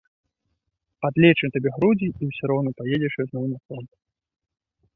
Падлечым табе грудзі і ўсё роўна паедзеш ізноў на фронт.